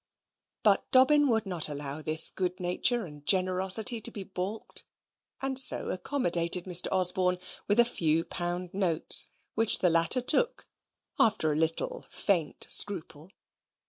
But Dobbin would not allow this good nature and generosity to be balked, and so accommodated Mr. Osborne with a few pound notes, which the latter took after a little faint scruple.